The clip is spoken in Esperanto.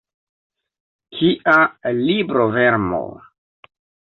Kia librovermo!